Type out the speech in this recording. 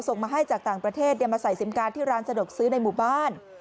ส่งมาให้จากต่างประเทศมาใส่ซิมการ์ดที่ร้านสะดวกซื้อในหมู่บ้าน